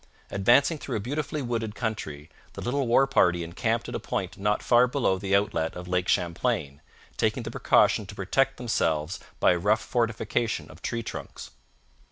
Advancing through a beautifully wooded country, the little war party encamped at a point not far below the outlet of Lake Champlain, taking the precaution to protect themselves by a rough fortification of tree trunks.